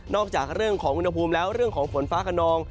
จากเรื่องของอุณหภูมิแล้วเรื่องของฝนฟ้าขนอง